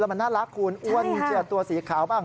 แล้วมันน่ารักคูณอ้วนเจอตัวสีขาวบ้าง